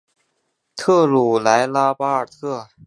特鲁莱拉巴尔特。